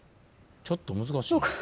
ちょっと難しい。